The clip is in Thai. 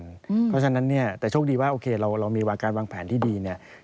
เพราะฉะนั้นแต่โชคดีว่าโอเคเรามีวักการวางแผนที่ดี